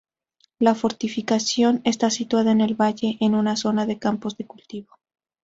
La fortificación está situada en el valle, en una zona de campos de cultivo.